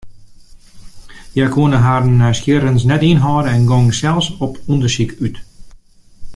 Hja koene harren nijsgjirrigens net ynhâlde en gongen sels op ûndersyk út.